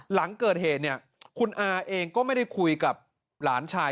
หลังเกิดเหตุเนี่ยคุณอาเองก็ไม่ได้คุยกับหลานชาย